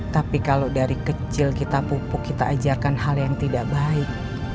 tapi kalau dari kecil kita pupuk kita ajarkan hal yang tidak baik